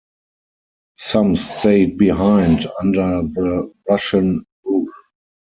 Some stayed behind under the Russian rule.